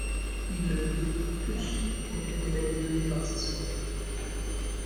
Il le peut : tous ont été manipulés par ses soins.